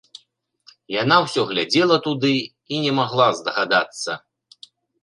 Яна ўсё глядзела туды і не магла здагадацца.